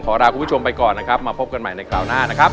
ลาคุณผู้ชมไปก่อนนะครับมาพบกันใหม่ในคราวหน้านะครับ